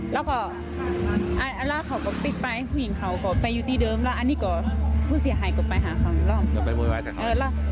แล้วก็อัลล่าเขาก็ปิดไปผู้หญิงเขาก็ไปอยู่ที่เดิมแล้วอันนี้ก็ผู้เสียหายก็ไปหาเขาแล้วไปโวยวายจากเขา